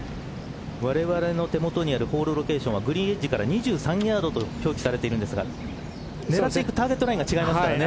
われわれの手元にあるホールロケーションはグリーンエッジから２３ヤードと表記されていますが単純にターゲットラインが違いますからね。